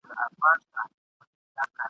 راډیو خلکو ته معلومات رسوي.